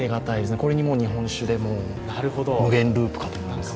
これに日本酒で無限ループかと思います。